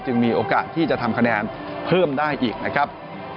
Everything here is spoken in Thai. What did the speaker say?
มีโอกาสที่จะทำคะแนนเพิ่มได้อีกนะครับ